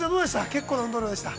結構な運動量でした。